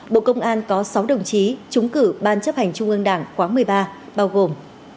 bộ công an có sáu đồng chí trúng cử ban chấp hành trung ương đảng khóa một mươi ba bao gồm